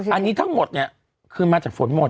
อันนี้ทั้งหมดเนี่ยคือมาจากฝนหมด